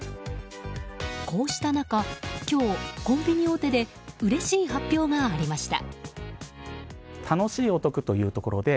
こうした中、今日コンビニ大手でうれしい発表がありました。